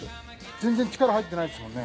全然力入ってないですもんね。